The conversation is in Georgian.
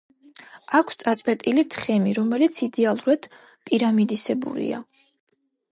აქვს წაწვეტილი თხემი, რომელიც იდეალურად პირამიდისებურია.